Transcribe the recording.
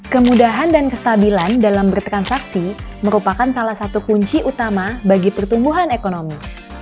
kemudahan dan kestabilan dalam bertransaksi merupakan salah satu kunci utama bagi pertumbuhan ekonomi